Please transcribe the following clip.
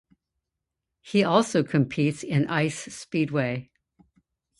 He also competes in Ice Speedway.